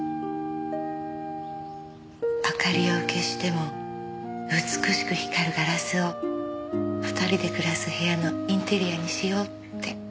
明かりを消しても美しく光るガラスを２人で暮らす部屋のインテリアにしようって。